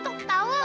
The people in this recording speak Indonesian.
terus di aim yah